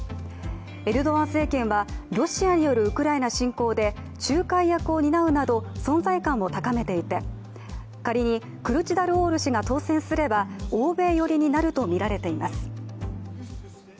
エルドアン政権はロシアによるウクライナ侵攻で仲介役を担うなど、存在感を高めていて仮にクルチダルオール氏が当選すれば欧米寄りになるとみられています。